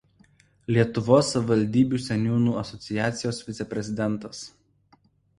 Lietuvos savivaldybių seniūnų asociacijos viceprezidentas.